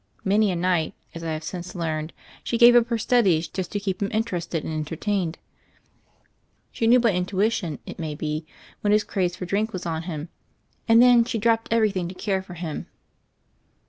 Many a night, as I have since learned, she gave up her studies just to keep him inter ested and entertained. She knew, by intuition, 200 THE FAIRY OF THE SNOWS it may be, when his craze for drink was on him, and then she dropped everything to care for him."